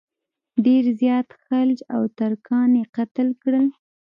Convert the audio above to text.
ډېر زیات خلج او ترکان یې قتل کړل.